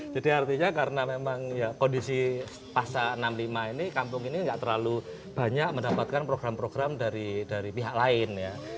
jadi artinya karena memang kondisi pasca enam puluh lima ini kampung ini nggak terlalu banyak mendapatkan program program dari pihak lain